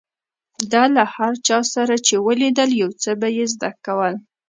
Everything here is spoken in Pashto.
ده له هر چا سره چې ولیدل، يو څه به يې زده کول.